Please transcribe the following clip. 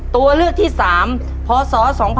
ตัวเลือกที่๓พศ๒๕๖